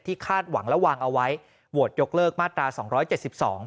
คาดหวังและวางเอาไว้โหวตยกเลิกมาตราสองร้อยเจ็ดสิบสอง